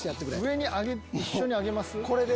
上に一緒に上げます？